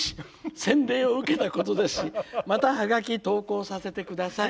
洗礼を受けたことですしまたハガキ投稿させて下さい」。